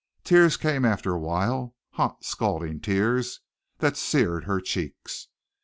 Tears came after a while, hot, scalding tears that seared her cheeks.